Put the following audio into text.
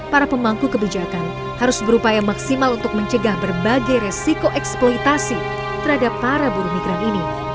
para pemangku kebijakan harus berupaya maksimal untuk mencegah berbagai resiko eksploitasi terhadap para buruh migran ini